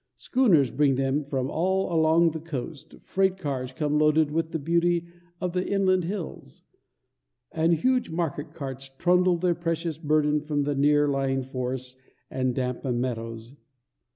Schooners bring them from all along the coast, freight cars come loaded with the beauty of the inland hills, and huge market carts trundle their precious burden from the near lying forests and damp meadows.